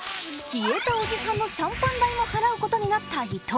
消えたおじさんのシャンパン代も払うことになった伊藤